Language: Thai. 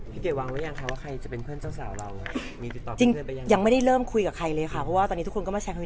พี่เก๋ว้างไหมร่างคะว่าใครจะเป็นเพื่อนเจ้าสาวเรามั้ย